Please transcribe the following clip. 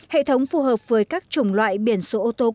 hệ thống phù hợp với các chủng loại biển sổ